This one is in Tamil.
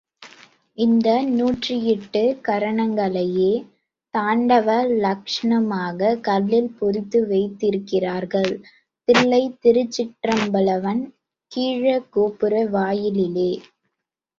இந்த நூற்றி எட்டு கரணங்களையே தாண்டவ லக்ஷணமாக கல்லில் பொறித்து வைத்திருக்கிறார்கள், தில்லைத் திருச்சிற்றம்பலவன் கீழக் கோபுர வாயிலிலே.